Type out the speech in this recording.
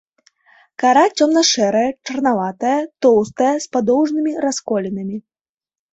Кара цёмна-шэрая, чарнаватая, тоўстая, з падоўжнымі расколінамі.